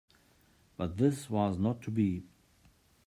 But this was not to be.